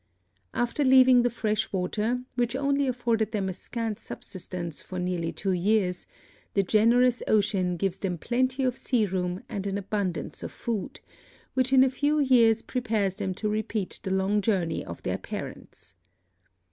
After leaving the fresh water, which only afforded them a scant subsistence for nearly two years, the generous ocean gives them plenty of sea room and an abundance of food, which in a few years prepares them to repeat the long journey of their parents.